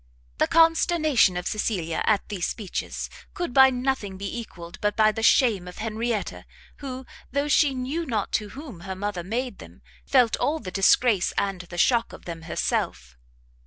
The consternation of Cecilia at these speeches could by nothing be equalled but by the shame of Henrietta, who, though she knew not to whom her mother made them, felt all the disgrace and the shock of them herself.